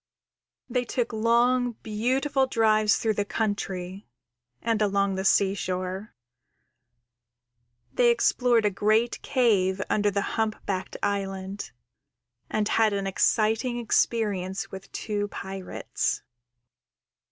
_ _They took long, beautiful drives through the country and along the seashore. They explored a great cave under the Humpbacked Island, and had an exciting experience with two pirates.